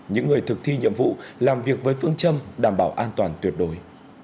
những người thực thi nhiệm vụ làm việc với phương châm đảm bảo an toàn tuyệt đối